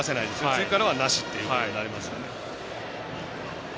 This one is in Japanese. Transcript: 次からは、なしっていうことになりますからね。